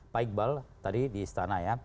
pak iqbal tadi di istana ya